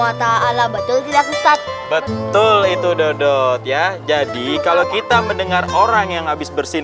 wa ta'ala betul tidak betul itu dodot ya jadi kalau kita mendengar orang yang habis bersin